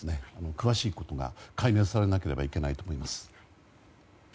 詳しいことが解明されなければいけないと思います。